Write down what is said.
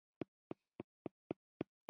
د هېواد د سرنوشت لپاره